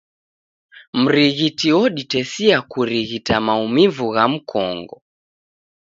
Mrighiti woditesia kurighita maumivu gha mkongo.